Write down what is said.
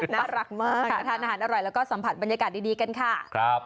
น่ารักมากทานอาหารอร่อยแล้วก็สัมผัสบรรยากาศดีกันค่ะ